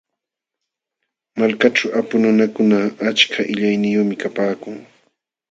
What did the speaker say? Malkaaćhu apu nunakuna achak qillaniyuqmi kapaakun.